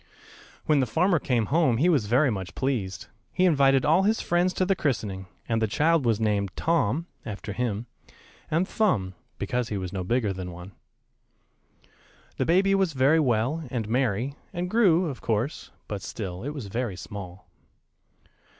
When the farmer came home he was very much pleased. He invited all his friends to the christening, and the child was named "Tom," after him, and "Thumb," because he was no bigger than one. The baby was very well, and merry, and grew, of course; but still it was very small.